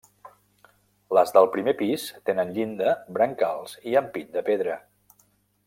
Les del primer pis tenen llinda, brancals i ampit de pedra.